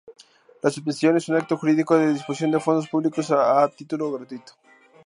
La subvención es un acto jurídico de disposición de fondos públicos a título gratuito.